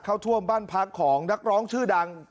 เข้าท่วมบ้านพักของนักร้องชื่อดัง